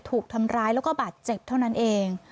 ถูกทำร้ายแล้วก็บาดเจ็บเท่านั้นเอง